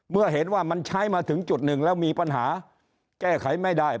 เมื่อเห็นว่ามันใช้มาถึงจุดหนึ่งแล้วมีปัญหาแก้ไขไม่ได้